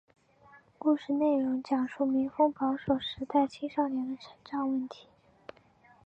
故事内容讲述民风保守时代青少年的成长问题。